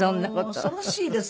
もう恐ろしいです。